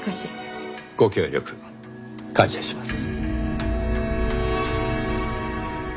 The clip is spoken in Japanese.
ご協力感謝します。